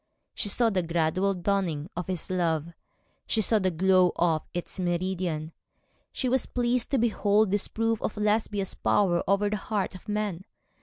She saw the gradual dawning of his love, she saw the glow of its meridian. She was pleased to behold this proof of Lesbia's power over the heart of man.